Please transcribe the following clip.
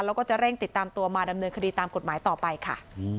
แล้วก็จะเร่งติดตามตัวมาดำเนินคดีตามกฎหมายต่อไปค่ะ